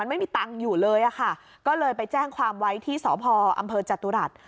ไม่มีตังค์อยู่เลยอะค่ะก็เลยไปแจ้งความไว้ที่สพอำเภอจตุรัส